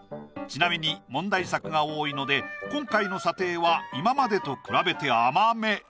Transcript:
ちなみに問題作が多いので今回の査定は今までと比べて甘め。